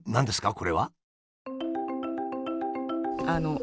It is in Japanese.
これは。